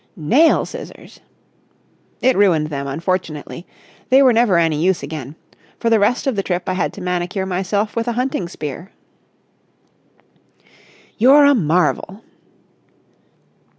"Nail scissors!" "It ruined them, unfortunately. They were never any use again. For the rest of the trip I had to manicure myself with a hunting spear." "You're a marvel!"